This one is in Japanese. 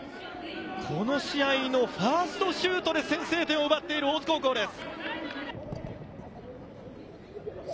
この試合のファーストシュートで先制点を奪っている大津高校です。